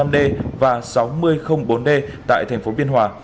sáu nghìn năm d và sáu nghìn bốn d tại thành phố biên hòa